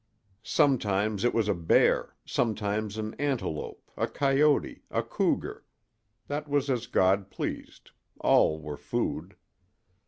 Sometimes it was a bear, sometimes an antelope, a coyote, a cougar—that was as God pleased; all were food.